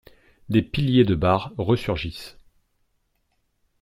Des piliers de bar resurgissent.